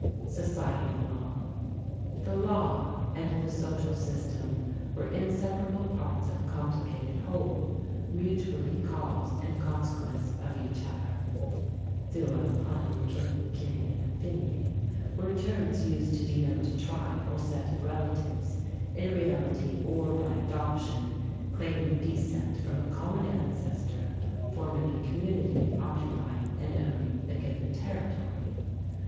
SOCIETY LAW. The law and the social system were inseparable parts of a complicated whole, mutually cause and consequence of each other. Tuath, clann, cinel, cine, and fine (pronounced thooah, clong, kinnel, kineh, and fin yeh) were terms used to denote a tribe or set of relatives, in reality or by adoption, claiming descent from a common ancestor, forming a community occupying and owning a given territory.